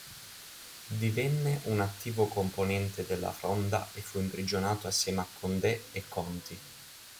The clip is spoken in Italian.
Divenne un attivo componente della Fronda e fu imprigionato assieme a Condé e Conti.